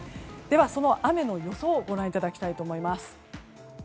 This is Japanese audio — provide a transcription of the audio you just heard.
その雨の予想をご覧いただきたいと思います。